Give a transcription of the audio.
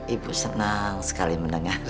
ibu senang sekali mendengarnya